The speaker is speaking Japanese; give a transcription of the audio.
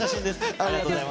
ありがとうございます。